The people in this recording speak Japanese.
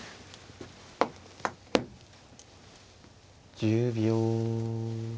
１０秒。